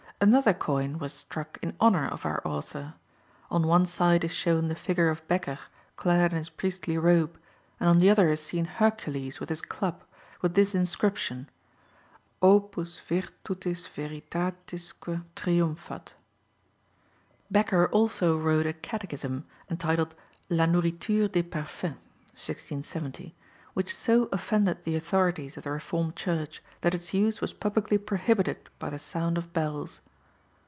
Another coin was struck in honour of our author: on one side is shown the figure of Bekker clad in his priestly robe; and on the other is seen Hercules with his club, with this inscription, Opus virtutis veritatisque triumphat. Bekker also wrote a catechism, entitled La Nourriture des Parfaits (1670), which so offended the authorities of the Reformed Church that its use was publicly prohibited by the sound of bells.